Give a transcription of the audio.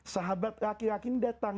sahabat laki laki ini datang